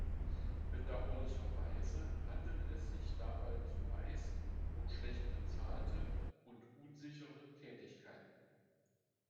Bedauerlicherweise handelt es sich dabei zumeist um schlecht bezahlte und unsichere Tätigkeiten.